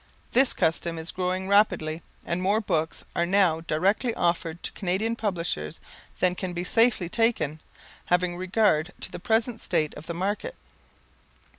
This custom is growing rapidly and more books are now directly offered to Canadian publishers than can be safely taken, having regard to the present state of the market.